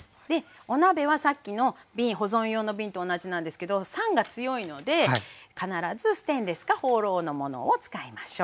お鍋はさっきの保存用の瓶と同じなんですけど酸が強いので必ずステンレスかホウロウのものを使いましょう。